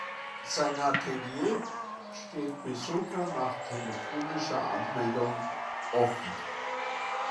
Sein Atelier steht Besuchern nach telefonischer Anmeldung offen.